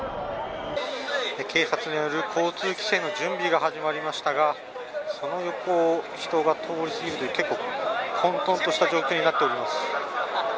警察による交通規制の準備が始まりましたがその横を人が通り過ぎるという混沌とした状況になっています。